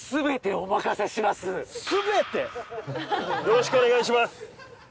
よろしくお願いします。